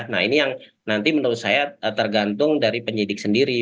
nah ini yang nanti menurut saya tergantung dari penyidik sendiri